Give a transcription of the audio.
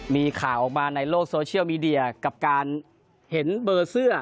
มีข่าวออกมาในโลกโซเชียลมีเดียกับการเห็นเบอร์เสื้อ